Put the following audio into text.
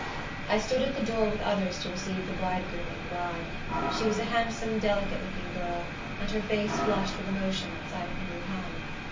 I stood at the door with others to receive the bridegroom and bride. She was a handsome, delicate looking girl, and her face flushed with emotion at sight of her new home.